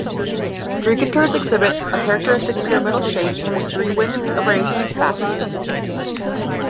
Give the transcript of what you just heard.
Dreikanters exhibit a characteristic pyramidal shape with three wind-abrased facets.